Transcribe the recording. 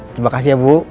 terima kasih ya bu